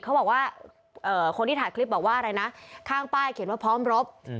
เขาบอกว่าคนที่ถ่ายคลิปบอกว่าอะไรนะข้างป้ายเขียนว่าพร้อมรบ